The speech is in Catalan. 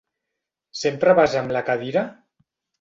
¿Sempre vas amb la cadira?